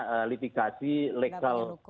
oke jadi bukan melakukan aktivitas yang sifatnya